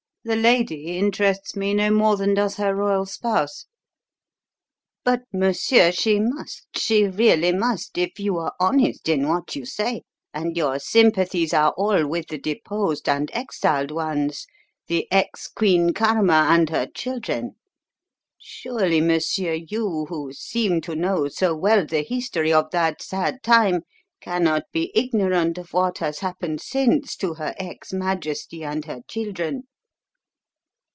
"The lady interests me no more than does her royal spouse." "But, monsieur, she must she really must if you are honest in what you say, and your sympathies are all with the deposed and exiled ones the ex queen Karma and her children. Surely, monsieur, you who seem to know so well the history of that sad time cannot be ignorant of what has happened since to her ex Majesty and her children?"